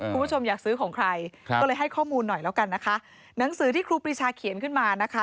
คุณผู้ชมอยากซื้อของใครก็เลยให้ข้อมูลหน่อยแล้วกันนะคะหนังสือที่ครูปรีชาเขียนขึ้นมานะคะ